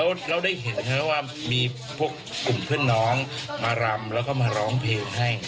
และเรายังเห็นเลยว่าพวกคุณเพิ่นน้องมารำแล้วก็มาร้องเพลงให้